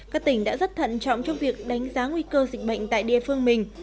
các tỉnh đã rất thận trọng trong việc đánh giá nguy cơ dịch bệnh tại địa phương mình